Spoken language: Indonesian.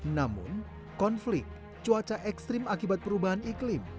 namun konflik cuaca ekstrim akibat perubahan iklim